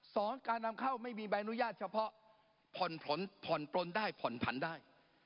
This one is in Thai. สองการนำเข้าไม่มีใบอนุญาตเฉพาะผ่อนผ่อนปลนได้ผ่อนผันได้